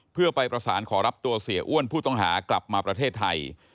เพื่อไปประสานขอรับตัวเสียอ้วนผู้ต้องหากลับมาประเทศไทย